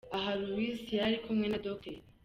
Aha Louise yari kumwe na Dr.